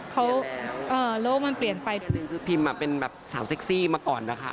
เขาอ่าโลกมันเปลี่ยนไปเสียงเพลงถึงภิมมาเป็นแบบสาวศักดิ์สี่มาก่อนนะคะ